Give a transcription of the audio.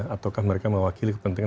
ataukah mereka mewakili kepentingan